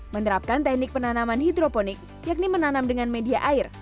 menerapkan teknik penanaman hidroponik yakni menanam dengan media air